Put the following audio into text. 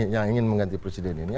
yang ingin mengganti presiden ini